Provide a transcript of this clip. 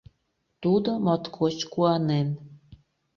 Тудо моткоч куанен.